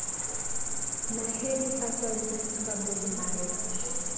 na hebu pata wimbo kutoka bob marley